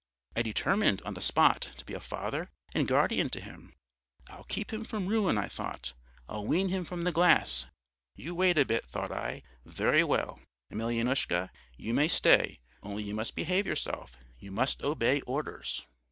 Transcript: I determined on the spot to be a father and guardian to him. I'll keep him from ruin, I thought, I'll wean him from the glass! You wait a bit, thought I; very well, Emelyanoushka, you may stay, only you must behave yourself; you must obey orders.